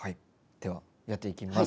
ではやっていきます。